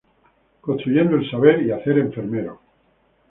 Construyendo el saber y hacer enfermero.